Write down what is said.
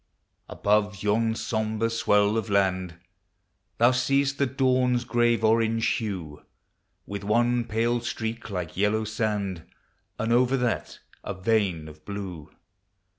Above yon sombre swell of land Thou seest the dawn's grave orange hue, With one pale streak like yellow sand, And over that a vein of blue.